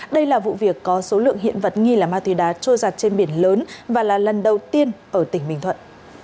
đây là vụ việc có số lượng hiện vật nghi là ma túy đá trôi giặt trên biển lớn và là lần đầu tiên ở tỉnh bình thuận